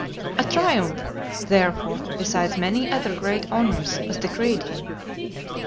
A triumph, therefore, besides many other great honours, was decreed him.